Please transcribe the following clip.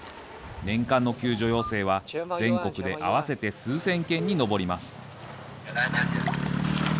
年間の救助要請は全国で合わせて数千件に上ります。